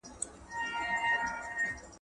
نورې ورځې ته تر نيمو شپو په دفتر کې يې.